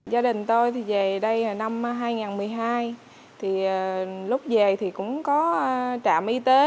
gia đình tôi thì về đây năm hai nghìn một mươi hai thì lúc về thì cũng có trạm y tế